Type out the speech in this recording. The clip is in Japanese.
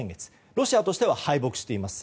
ロシアとしては敗北しています。